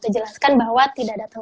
jelaskan bahwa tidak datang